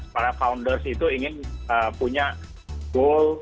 para founders itu ingin punya goal